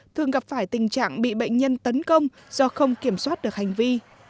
thường gặp phải tình trạng bị bệnh nhân tấn công do không kiểm soát được hành vi